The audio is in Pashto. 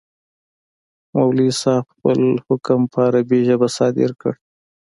مولوي صاحب خپل حکم په عربي ژبه صادر کړ.